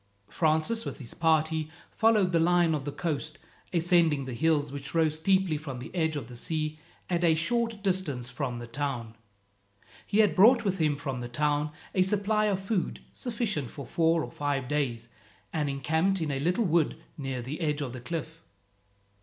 Francis, with his party, followed the line of the coast, ascending the hills which rose steeply from the edge of the sea at a short distance from the town. He had brought with him from the town a supply of food sufficient for four or five days, and encamped in a little wood near the edge of the cliff.